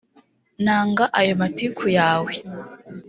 nanga ayo matiku yawe